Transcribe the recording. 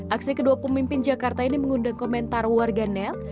aksi kedua pemimpin jakarta ini mengundang komentar warga nel